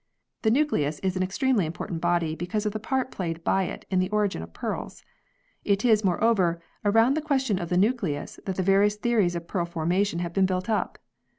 The nucleus is an extremely important body because of the part played by it in the origin of pearls. It is, moreover, around the question of the nucleus that the various theories of pearl formation have been built up.